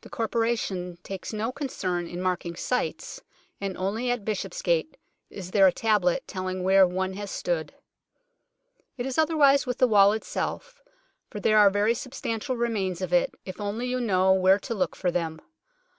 The Corporation takes no concern in marking sites, and only at Bishopsgate is there a tablet telling where one has stood. It is otherwise with the wall itself, for there are very substantial remains of it, if only you know where to look for them.